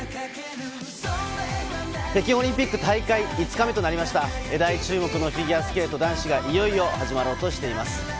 北京オリンピック大会５日目となりました、大注目のフィギュアスケート男子がいよいよ始まろうとしています。